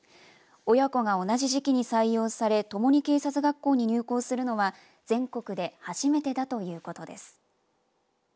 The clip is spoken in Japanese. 親子が同じ時期に採用されともに警察学校に入校するのは全国で初めてだということです。